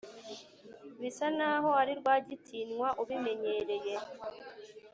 bisanaho ari rwagitinywa ubimenyereye